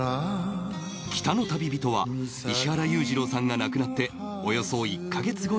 『北の旅人』は石原裕次郎さんが亡くなっておよそ１カ月後に発売